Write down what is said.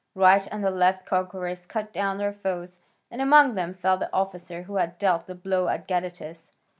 Right and left the conquerors cut down their foes, and among them fell the officer who had dealt the blow at Gadatas.